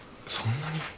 そんなに！？